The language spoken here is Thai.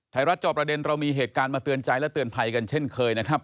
จอประเด็นเรามีเหตุการณ์มาเตือนใจและเตือนภัยกันเช่นเคยนะครับ